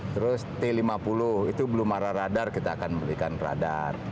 terus t lima puluh itu belum radar kita akan berikan radar